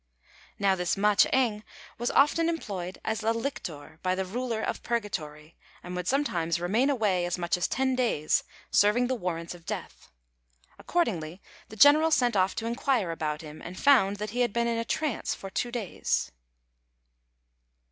Now this Ma ch'êng was often employed as a lictor by the Ruler of Purgatory, and would sometimes remain away as much as ten days, serving the warrants of death; accordingly, the general sent off to inquire about him, and found that he had been in a trance for two days.